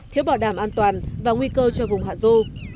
thiếu bảo đảm an toàn và nguy cơ cho vùng hạ du